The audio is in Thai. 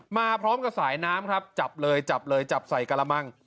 มาพร้อมกับสายน้ำครับจับเลยจับเลยจับใส่กระมัง